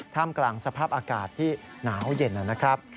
ท่ามกลางสภาพอากาศที่หนาวเย็น